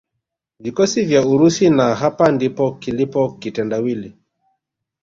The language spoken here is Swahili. vikosi vya Urusi na hapa ndipo kilipo kitendawili